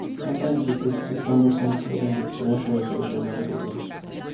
Sometimes it is too cumbersome solving the differential equation analytically.